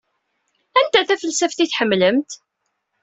Anta tafelsaft i tḥemmlemt?